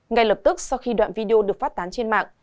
ngay lập tức sau khi đoạn video được phát tán trên mạng